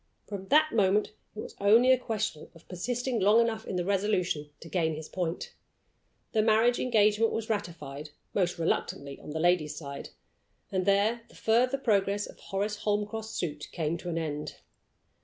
From that moment it was only a question of persisting long enough in the resolution to gain his point. The marriage engagement was ratified most reluctantly on the lady's side and there the further progress of Horace Holmcroft's suit came to an end.